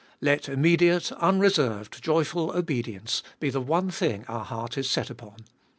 Let immediate, unreserved, joyful obedience be the one thing our heart is set upon.